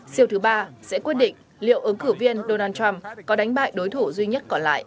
siêu thứ ba sẽ quyết định liệu ứng cử viên donald trump có đánh bại đối thủ duy nhất còn lại